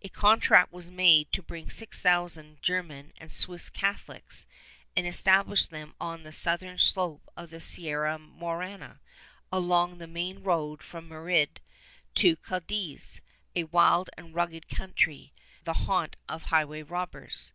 A contract was made to bring six thousand Ger man and Swiss Catholics and establish them on the southern slope of the Sierra Morena, along the main road from Madrid to Cadiz — a wild and rugged country, the haunt of highway robbers.